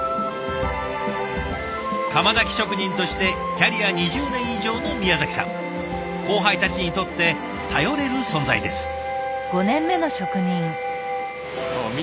釜だき職人としてキャリア２０年以上の宮崎さん後輩たちにとって頼れる存在です。